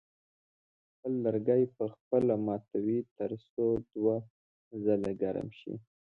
خپل لرګي په خپله ماتوه تر څو دوه ځله ګرم شي.